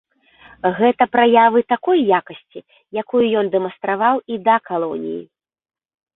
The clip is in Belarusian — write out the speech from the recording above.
Гэта праявы такой якасці, якую ён дэманстраваў і да калоніі.